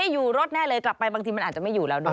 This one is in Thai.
อยู่รถแน่เลยกลับไปบางทีมันอาจจะไม่อยู่แล้วด้วย